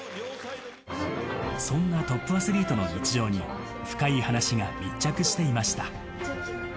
そんなトップアスリートの日常に、深イイ話が密着していました。